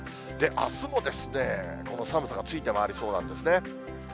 あすもこの寒さがついて回りそうなんですね。